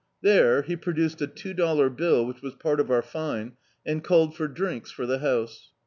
There, he produced a two dollar bill, which was part of our fine, and called for drinks for the house.